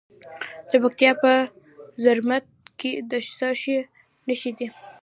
د پکتیا په زرمت کې د څه شي نښې دي؟